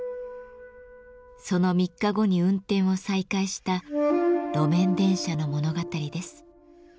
その３日後に運転を再開した路面電車の物語です。